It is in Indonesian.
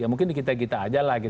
ya mungkin di kita kita aja lah